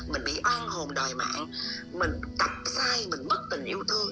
mình bị an hồn đòi mạng tập sai và bất tình yêu thương